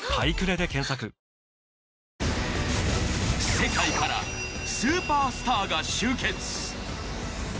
世界からスーパースターが集結。